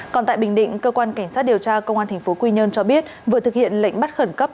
còn tại bình định cơ quan cảnh sát điều tra công an tp quy nhơn cho biết vừa thực hiện lệnh bắt khẩn cấp